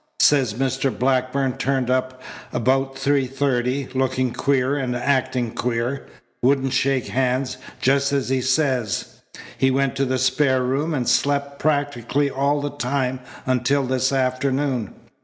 Says Mr. Blackburn turned up about three thirty, looking queer and acting queer. Wouldn't shake hands, just as he says. He went to the spare room and slept practically all the time until this afternoon.